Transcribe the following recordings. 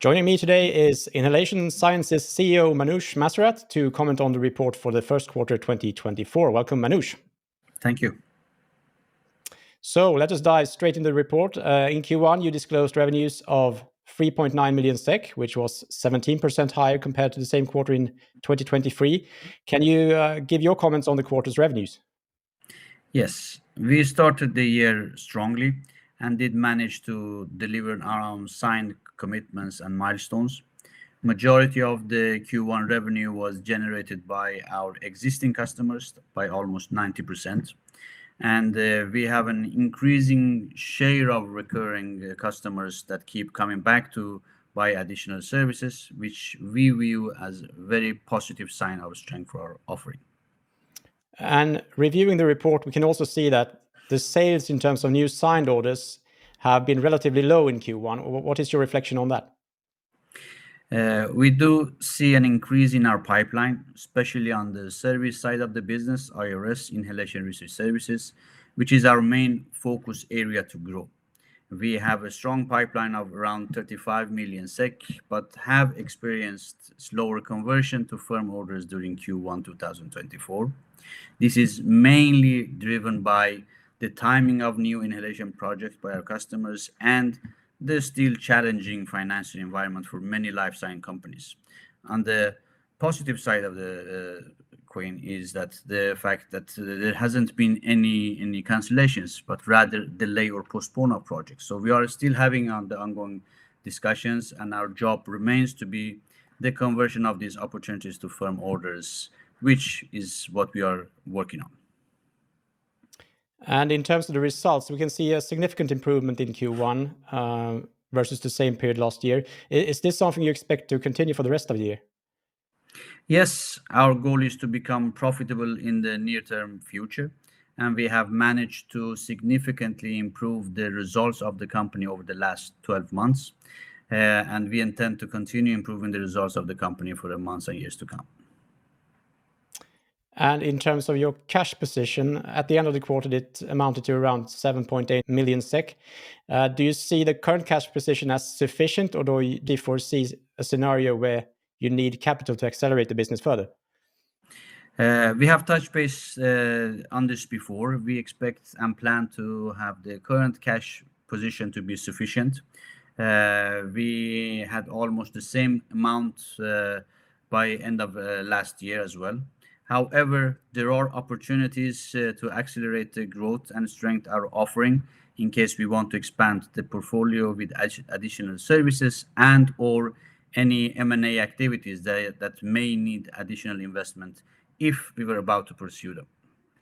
Joining me today is Inhalation Sciences CEO, Manoush Masarrat, to comment on the report for the first quarter 2024. Welcome, Manoush. Thank you. So let us dive straight into the report. In Q1, you disclosed revenues of 3.9 million SEK, which was 17% higher compared to the same quarter in 2023. Can you give your comments on the quarter's revenues? Yes. We started the year strongly and did manage to deliver on our signed commitments and milestones. Majority of the Q1 revenue was generated by our existing customers, by almost 90%, and we have an increasing share of recurring customers that keep coming back to buy additional services, which we view as a very positive sign of strength for our offering. Reviewing the report, we can also see that the sales in terms of new signed orders have been relatively low in Q1. What is your reflection on that? We do see an increase in our pipeline, especially on the service side of the business, IRS, Inhalation Research Services, which is our main focus area to grow. We have a strong pipeline of around 35 million SEK, but have experienced slower conversion to firm orders during Q1 2024. This is mainly driven by the timing of new inhalation projects by our customers and the still challenging financial environment for many life science companies. On the positive side of the coin is that the fact that there hasn't been any cancellations, but rather delay or postponement of projects. So we are still having on the ongoing discussions, and our job remains to be the conversion of these opportunities to firm orders, which is what we are working on. In terms of the results, we can see a significant improvement in Q1 versus the same period last year. Is this something you expect to continue for the rest of the year? Yes, our goal is to become profitable in the near-term future, and we have managed to significantly improve the results of the company over the last 12 months. We intend to continue improving the results of the company for the months and years to come. In terms of your cash position, at the end of the quarter, it amounted to around 7.8 million SEK. Do you see the current cash position as sufficient, or do you foresee a scenario where you need capital to accelerate the business further? We have touched base on this before. We expect and plan to have the current cash position to be sufficient. We had almost the same amount by end of last year as well. However, there are opportunities to accelerate the growth and strength our offering, in case we want to expand the portfolio with additional services and/or any M&A activities that may need additional investment if we were about to pursue them.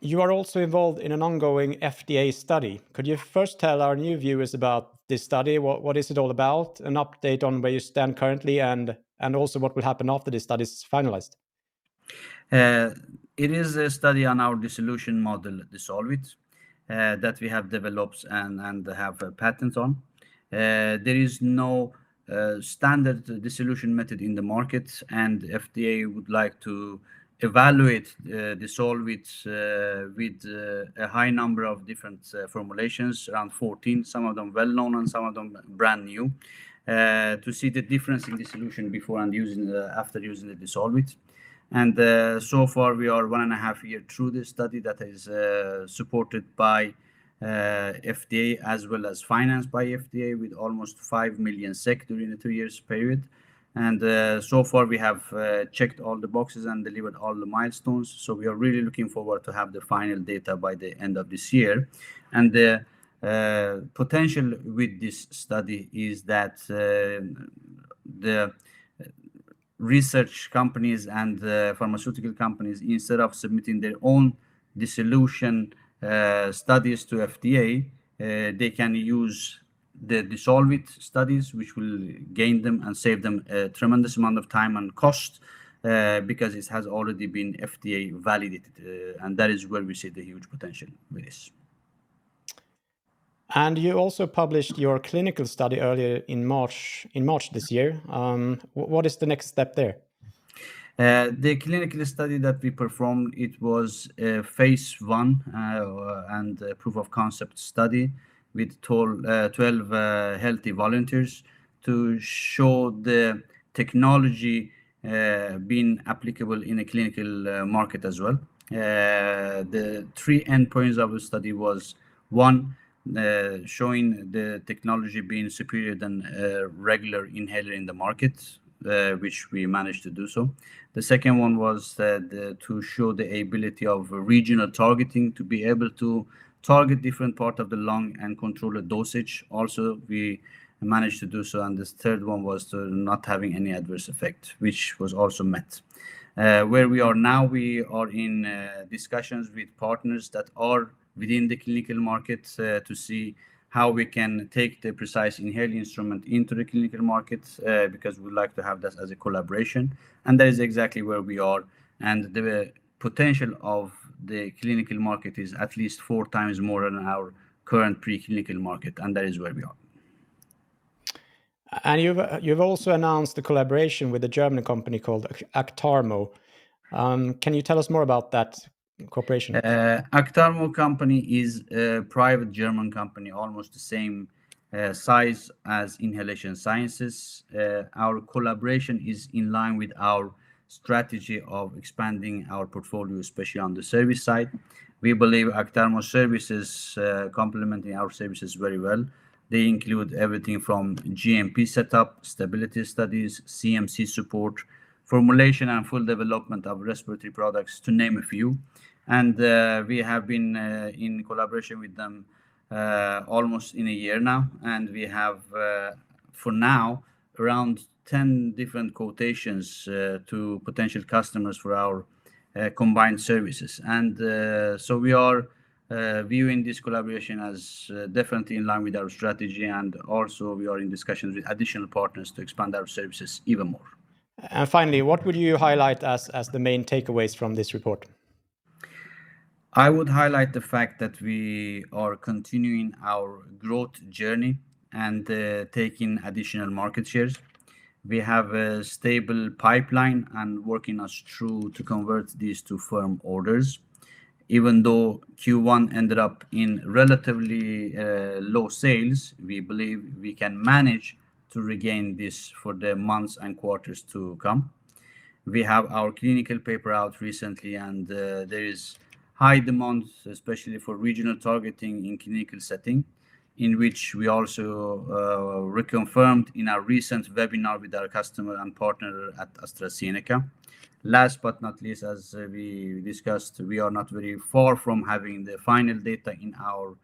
You are also involved in an ongoing FDA study. Could you first tell our new viewers about this study? What is it all about? An update on where you stand currently, and also what will happen after this study is finalized. It is a study on our dissolution model, DissolvIt, that we have developed and have patents on. There is no standard dissolution method in the market, and FDA would like to evaluate DissolvIt with a high number of different formulations, around 14, some of them well-known and some of them brand new, to see the difference in dissolution before and after using the DissolvIt. So far we are one and a half years through this study that is supported by FDA, as well as financed by FDA, with almost 5 million SEK during the two-year period. So far we have checked all the boxes and delivered all the milestones, so we are really looking forward to have the final data by the end of this year. The potential with this study is that the research companies and pharmaceutical companies, instead of submitting their own dissolution studies to FDA, they can use the DissolvIt studies, which will gain them and save them a tremendous amount of time and cost, because it has already been FDA-validated, and that is where we see the huge potential with this. You also published your clinical study earlier in March, in March this year. What is the next step there? The clinical study that we performed, it was a phase one and a proof of concept study with total 12 healthy volunteers to show the technology being applicable in a clinical market as well. The three endpoints of the study was one, showing the technology being superior than a regular inhaler in the market, which we managed to do so. The second one was that to show the ability of regional targeting, to be able to target different part of the lung and control the dosage. Also, we managed to do so. And this third one was to not having any adverse effect, which was also met. Where we are now, we are in discussions with partners that are within the clinical market, to see how we can take the PreciseInhale instrument into the clinical markets, because we'd like to have that as a collaboration. And that is exactly where we are, and the potential of the clinical market is at least four times more than our current preclinical market, and that is where we are. ...And you've also announced a collaboration with a German company called Actarmo. Can you tell us more about that cooperation? Actarmo Medical is a private German company, almost the same size as Inhalation Sciences. Our collaboration is in line with our strategy of expanding our portfolio, especially on the service side. We believe Actarmo Medical services, complementing our services very well. They include everything from GMP setup, stability studies, CMC support, formulation, and full development of respiratory products, to name a few. We have been in collaboration with them almost a year now, and we have for now around 10 different quotations to potential customers for our combined services. So we are viewing this collaboration as definitely in line with our strategy, and also we are in discussions with additional partners to expand our services even more. Finally, what would you highlight as the main takeaways from this report? I would highlight the fact that we are continuing our growth journey and taking additional market shares. We have a stable pipeline and working us through to convert these to firm orders. Even though Q1 ended up in relatively low sales, we believe we can manage to regain this for the months and quarters to come. We have our clinical paper out recently, and there is high demand, especially for regional targeting in clinical setting, in which we also reconfirmed in our recent webinar with our customer and partner at AstraZeneca. Last but not least, as we discussed, we are not very far from having the final data in our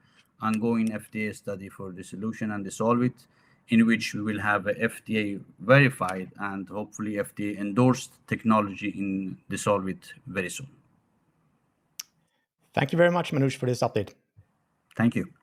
ongoing FDA study for dissolution and DissolvIt, in which we will have a FDA-verified and hopefully FDA-endorsed technology in DissolvIt very soon. Thank you very much, Manoush, for this update. Thank you.